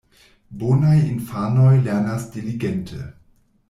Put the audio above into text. Bonaj infanoj lernas diligente.